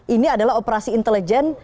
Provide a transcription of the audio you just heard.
ini adalah operasi intelijen